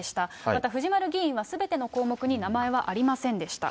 また藤丸議員はすべての項目に名前はありませんでした。